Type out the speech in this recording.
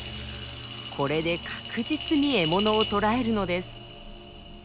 これで確実に獲物を捕らえるのです。